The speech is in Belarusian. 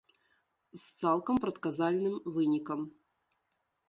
З цалкам прадказальным вынікам.